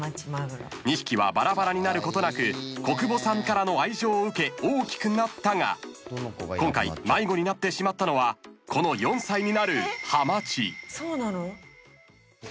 ［２匹はバラバラになることなく小久保さんからの愛情を受け大きくなったが今回迷子になってしまったのはこの４歳になるはまち］